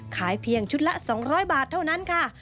ขายเพียงชุดละ๒๐๐บาทเท่านั้นค่ะ